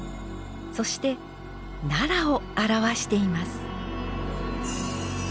そして奈良を表しています。